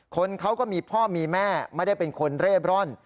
คนเขาก็มีพ่อมีแม่ไม่ได้เป็นคนเร่บร่อน